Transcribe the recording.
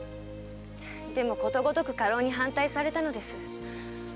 でもことごとく家老に反対されたのです。